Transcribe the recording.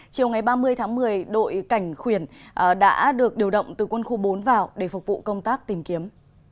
chiều ngày ba mươi tháng một mươi đội cảnh khuyển đã được điều động từ quân khu bốn vào để phục vụ công tác tìm kiếm